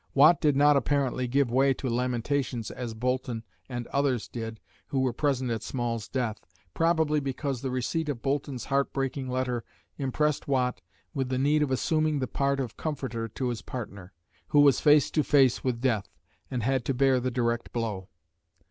Watt did not apparently give way to lamentations as Boulton and others did who were present at Small's death, probably because the receipt of Boulton's heart breaking letter impressed Watt with the need of assuming the part of comforter to his partner, who was face to face with death, and had to bear the direct blow.